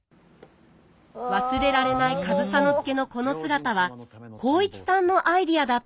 忘れられない上総介のこの姿は浩市さんのアイデアだったそうです